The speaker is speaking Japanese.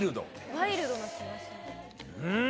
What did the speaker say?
ワイルドな気がします。